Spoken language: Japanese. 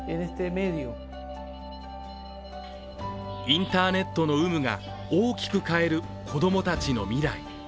インターネットの有無が大きく変える子供たちの未来。